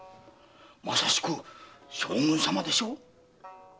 まさしく将軍様でしょう？